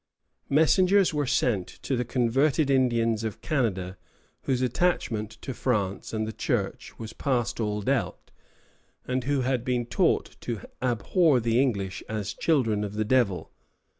Messengers were sent to the converted Indians of Canada, whose attachment to France and the Church was past all doubt, and who had been taught to abhor the English as children of the Devil.